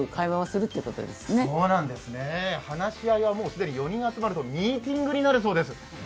話し合いは４人集まるとミーティングになるそうです。